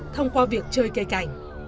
thông qua việc chơi cây cảnh